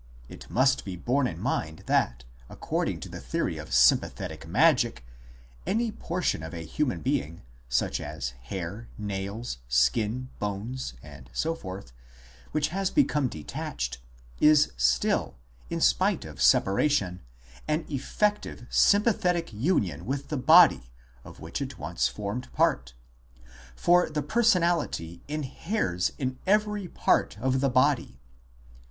... It must be borne in mind that, according to the theory of sympathetic magic, any portion of a human being, such as hair, nails, skin, bones, and so forth, which has become detached, is still, in spite of separation, in effective sympa thetic union with the body of which it once formed part ; for the personality inheres in every part of the body.